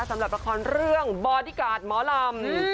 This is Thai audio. สำหรับละครเรื่องบอดี้การ์ดหมอลำ